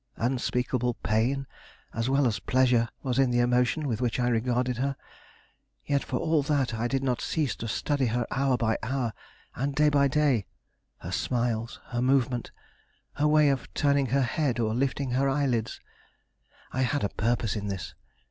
Unspeakable pain as well as pleasure was in the emotion with which I regarded her. Yet for all that I did not cease to study her hour by hour and day by day; her smiles, her movement, her way of turning her head or lifting her eyelids. I had a purpose in this.